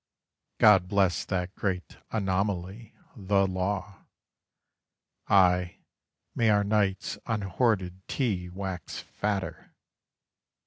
God bless that great anomaly, the Law; Aye, may our knights on hoarded tea wax fatter!